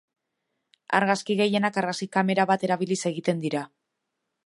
Argazki gehienak argazki-kamera bat erabiliz egiten dira.